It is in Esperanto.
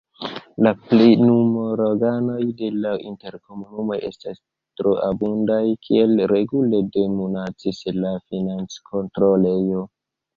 La plenumorganoj de la interkomunumoj estas troabundaj, kiel regule denuncas la financkontrolejo.